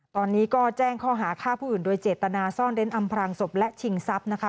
ตอนนี้ก็แจ้งข้อหาฆ่าผู้อื่นโดยเจตนาซ่อนเน้นอำพรางศพและชิงทรัพย์นะคะ